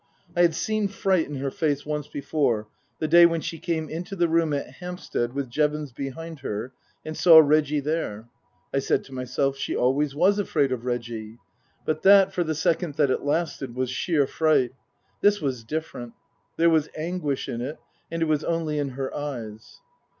I had seen fright in her face once before, the day when she came into the room at Hampstead with Jevons behind her and saw Reggie there. I said to myself, " She always was afraid of Reggie/' But that, for the second that it lasted, was sheer fright. This was different. There was anguish in it ; and it was only in her eyes.